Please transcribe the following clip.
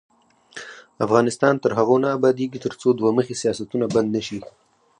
افغانستان تر هغو نه ابادیږي، ترڅو دوه مخي سیاستونه بند نشي.